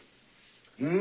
うん？